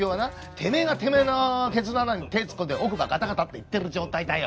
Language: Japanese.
てめえがてめえのケツの穴に手ぇ突っ込んで「奥歯ガタガタ」って言ってる状態だよ。